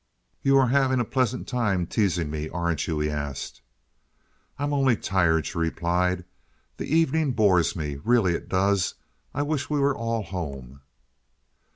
"You are having a pleasant time teasing me, aren't you?" he asked. "I am only tired," she replied. "The evening bores me. Really it does. I wish we were all home."